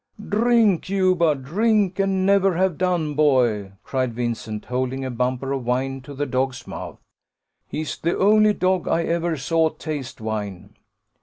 "Drink, Juba! drink, and never have done, boy!" cried Vincent, holding a bumper of wine to the dog's mouth; "he's the only dog I ever saw taste wine."